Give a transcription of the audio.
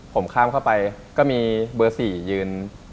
ผมข้ามเข้าไปก็มีเบอร์๔ยืน